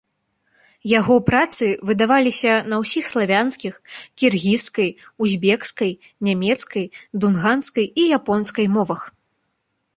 Яго працы выдаваліся на ўсіх славянскіх, кіргізскай, узбекскай, нямецкай, дунганскай і японскай мовах.